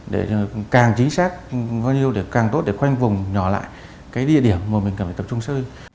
để càng chính xác bao nhiêu để càng tốt để khoanh vùng nhỏ lại cái địa điểm mà mình cần phải tập trung sơ